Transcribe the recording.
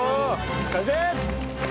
完成！